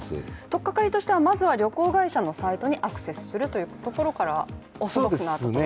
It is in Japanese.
とっかりとしては、まず旅行会社のサイトにアクセスするということですかね。